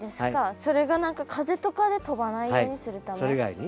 それが何か風とかで飛ばないようにするため。